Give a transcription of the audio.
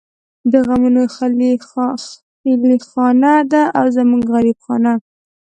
د غمونو خېلخانه ده او زمونږ غريب خانه